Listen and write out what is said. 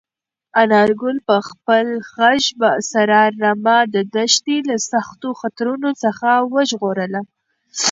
انارګل په خپل غږ سره رمه د دښتې له سختو خطرونو څخه وژغورله.